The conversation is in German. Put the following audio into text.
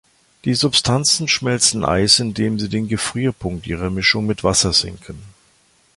Die Substanzen schmelzen Eis, indem sie den Gefrierpunkt ihrer Mischung mit Wasser senken.